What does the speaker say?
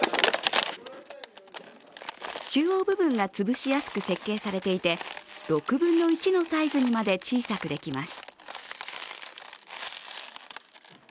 中央部分が潰しやすく設計されていて、６分の１のサイズにまで小さくできます。